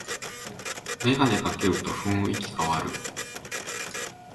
メガネかけると雰囲気かわる